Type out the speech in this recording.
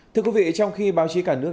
thưa quý vị trong khi báo chí cả nước